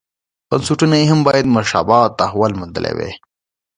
بنسټونو یې هم باید مشابه تحول موندلی وای.